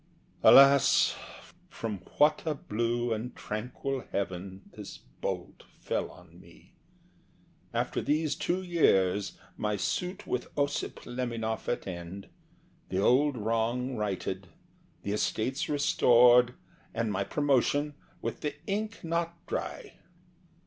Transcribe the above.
Alas! from what a blue and tranquil heaven This bolt fell on me! After these two years, My suit with Ossip Leminoff at end, The old wrong righted, the estates restored, And my promotion, with the ink not dry!